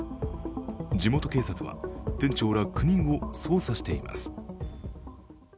地元警察は店長ら９人を捜査しています。